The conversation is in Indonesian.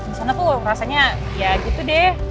disana tuh rasanya ya gitu deh